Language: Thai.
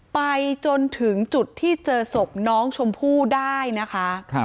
ไปจนถึงจุดที่เจอศพน้องชมพู่ได้นะคะ